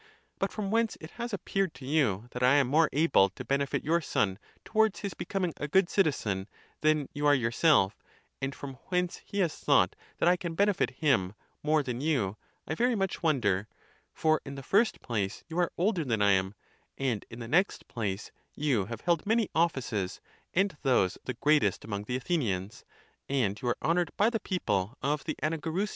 But from whence it has appeared to you that I am more able to benefit your son towards his becoming a good citizen, than you are yourself, and from whence he has thought that I can benefit him more than you, I very much wonder. For, in the first place, you are older than 1 am; and in the next place, you have held many offices, and those the greatest among the Athenians ; and you are honoured by the people of the Anagyrusian ward," 1 A similar compliment is paid to Socrates in Lach.